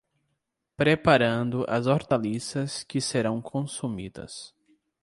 Preparando as hortaliças que serão consumidas